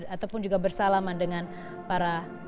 ataupun juga bersalaman dengan para